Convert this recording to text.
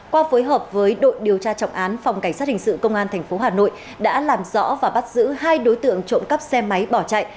qua phối hợp với đội điều tra trọng án phòng cảnh sát hình sự công an tp hà nội đã làm rõ và bắt giữ hai đối tượng trộm cắp xe máy bỏ chạy